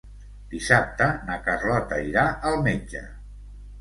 Dissabte na Carlota irà al metge.